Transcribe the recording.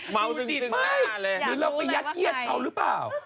เมาส์สึงสึงหน้าเลยหรือเราไปยัดเยียดเขาหรือเปล่า